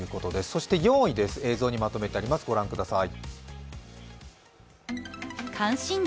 そして４位です、映像にまとめてあります、御覧ください。